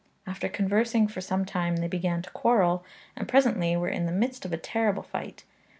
After conversing for some time they began to quarrel, and presently were in the midst of a terrible fight.